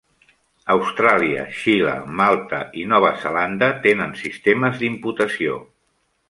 Austràlia, Xile, Malta i Nova Zelanda tenen sistemes d'imputació.